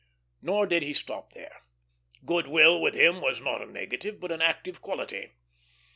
Nor did he stop there; good will with him was not a negative but an active quality.